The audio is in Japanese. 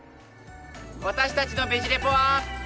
私たちの「ベジ・レポ」は。